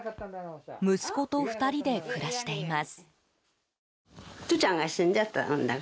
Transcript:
息子と２人で暮らしています。